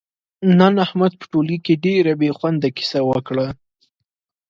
نن احمد په ټولگي کې ډېره بې خونده کیسه وکړه،